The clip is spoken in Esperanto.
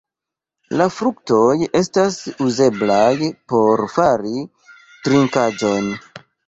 La fruktoj estas uzeblaj por fari trinkaĵon.